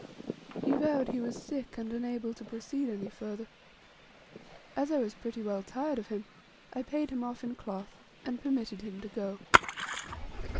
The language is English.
He vowed he was sick, and unable to proceed any further. As I was pretty well tired of him, I paid him off in cloth, and permitted him to go.